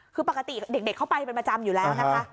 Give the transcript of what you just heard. คือปกติเด็กเข้าไปเป็นประจำอยู่แล้วนะคะ